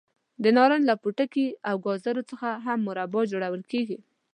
د نارنج له پوټکي او ګازرو څخه هم مربا جوړول کېږي.